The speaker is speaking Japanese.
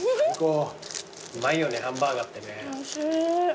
うまいよねハンバーガーってね。